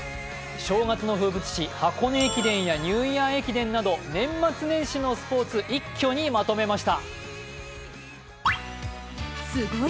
正月の風物詩、箱根駅伝やニューイヤー駅伝など年末年始のスポーツ、一挙にまとめました。